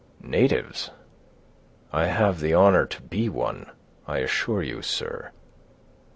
"Natives! I have the honor to be one, I assure you, sir."